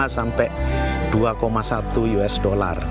sampai rp dua satu usd